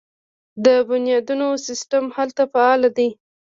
د بنیادونو سیستم هلته فعال دی.